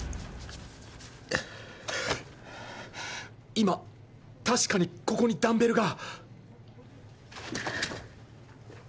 今確かにここにダンベルが